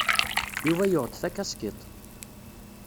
Yuba yuɣ-d takaskiḍt.